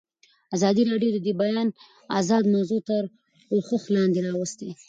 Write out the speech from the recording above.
ازادي راډیو د د بیان آزادي موضوع تر پوښښ لاندې راوستې.